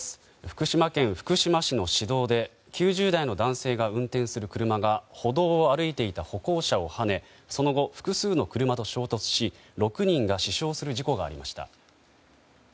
福島県福島市の市道で９０代の男性が運転する車が歩道を歩いていた歩行者をはねその後、複数の車と衝突し６人が死傷する事故がありました。